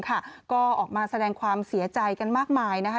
ก็ออกมาแสดงความเสียใจกันมากมายนะคะ